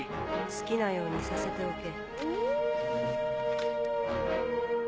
好きなようにさせておけ。